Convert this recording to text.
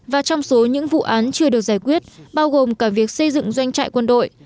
và trong số những vụ án chưa được giải quyết bao gồm cả việc xây dựng doanh trại quân đội